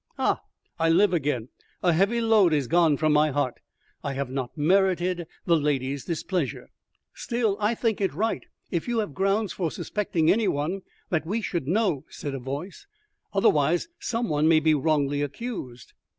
"Ah, I live again. A heavy load is gone from my heart! I have not merited the lady's displeasure." "Still I think it right, if you have grounds for suspecting any one, that we should know," said a voice; "otherwise some one may be wrongly accused."